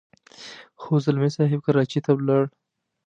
خو ځلمی صاحب کراچۍ ته ولاړ.